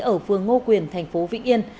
ở phương ngô quyền thành phố vĩnh yên